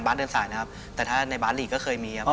เดินสายนะครับแต่ถ้าในบาสลีกก็เคยมีครับ